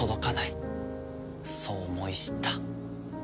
そう思い知った。